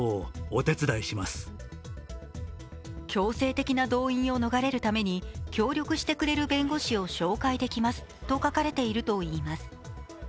強制的な動員を逃れるために協力してくれる弁護士を紹介できますと書かれているといいます。